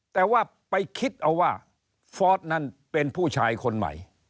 แต่ว่าไปคิดเอาว่าฟอร์สนั้นเป็นผู้ชายคนใหม่